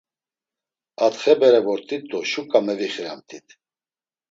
Atxe bere vort̆it do şuǩa mevixiramt̆it.